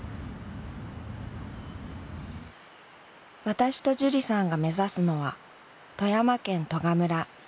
私と樹里さんが目指すのは富山県利賀村。